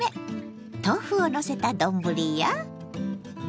豆腐をのせた丼や。